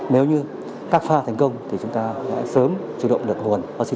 nếu như các pha thành công thì chúng ta sẽ sớm chủ động đợt nguồn vaccine lâm sàng